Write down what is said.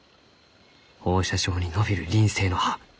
放射状に伸びる輪生の葉